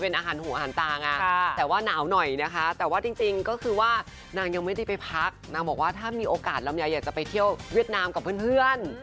นางยังไม่ได้ไปพักนางบอกว่าถ้ามีโอกาสลำยัยอยากจะไปเที่ยวเวียดนามกับเพื่อน